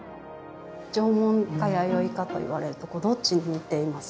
縄文か弥生かと言われるとどっちに似ています？